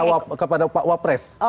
itu tingkat kepuasan kepada pak wah pres